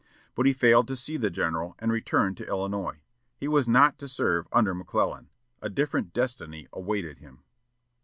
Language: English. But he failed to see the general, and returned to Illinois. He was not to serve under McClellan. A different destiny awaited him.